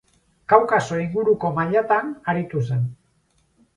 Kaukaso inguruko mailatan aritu zen.